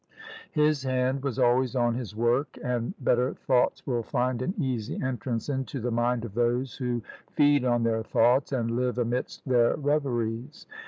His hand was always on his work, and better thoughts will find an easy entrance into the mind of those who feed on their thoughts, and live amidst their reveries.